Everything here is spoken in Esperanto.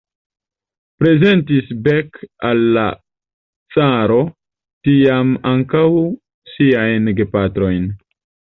Prezentis Beck al la caro tiam ankaŭ siajn gepatrojn.